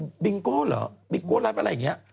๕อันดับที่เขาทางไทยรัฐไปเช็คมาเนี่ย